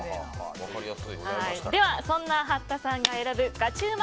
ではそんな八田さんが選ぶガチ旨！